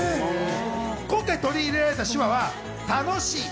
今回取り入れられた手話は楽しい。